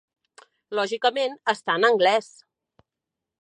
Lògicament, està en anglès.